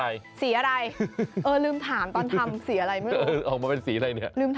อ่ะลืมถามตอนทำเมื่อสีอะไรไม่รู้